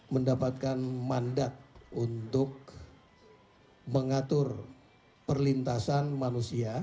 mendapatkan mandat untuk mengatur perlintasan manusia